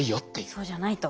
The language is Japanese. そうじゃないと。